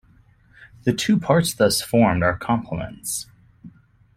The two parts thus formed are complements.